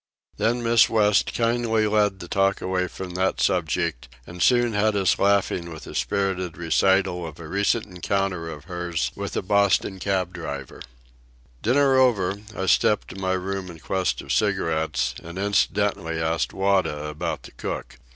Then Miss West kindly led the talk away from that subject, and soon had us laughing with a spirited recital of a recent encounter of hers with a Boston cab driver. Dinner over, I stepped to my room in quest of cigarettes, and incidentally asked Wada about the cook.